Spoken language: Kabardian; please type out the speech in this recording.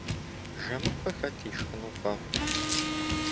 Жэмыкуэ хэт ишхыну фӏэфӏ?